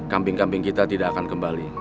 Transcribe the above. kambing kambing kita tidak akan kembali